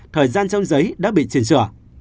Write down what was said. thời gian trong giấy đã bị triển sửa